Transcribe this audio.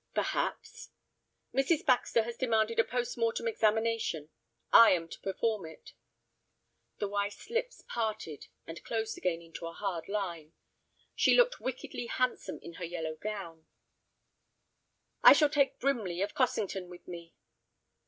"Perhaps." "Mrs. Baxter has demanded a post mortem examination. I am to perform it." His wife's lips parted, and closed again into a hard line. She looked wickedly handsome in her yellow gown. "I shall take Brimley, of Cossington, with me."